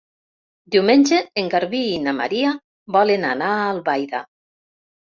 Diumenge en Garbí i na Maria volen anar a Albaida.